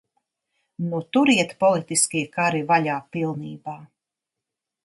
Nu tur iet politiskie kari vaļā pilnībā.